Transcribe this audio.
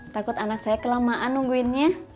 takut anak saya kelamaan nungguinnya